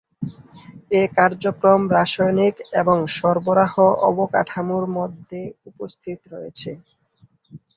এর কার্যক্রম রাসায়নিক এবং সরবরাহ অবকাঠামো মধ্যে উপস্থিত রয়েছে।